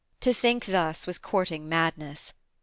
To think thus was courting madness.